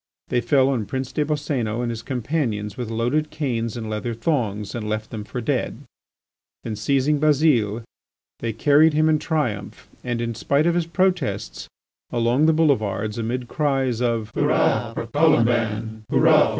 They fell on Prince des Boscénos and his companions with loaded canes and leather thongs, and left them for dead. Then seizing Bazile they carried him in triumph, and in spite of his protests, along the boulevards, amid cries of: "Hurrah for Colomban!